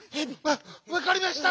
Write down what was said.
わかりました！